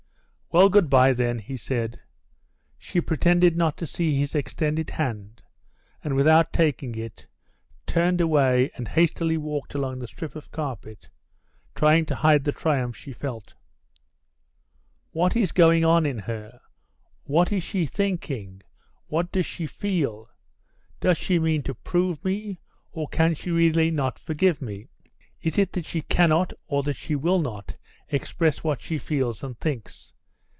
"Well, good bye, then," he said. She pretended not to see his extended hand, and, without taking it, turned away and hastily walked along the strip of carpet, trying to hide the triumph she felt. "What is going on in her? What is she thinking? What does she feel? Does she mean to prove me, or can she really not forgive me? Is it that she cannot or that she will not express what she feels and thinks?